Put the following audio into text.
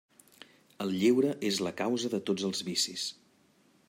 El lleure és la causa de tots els vicis.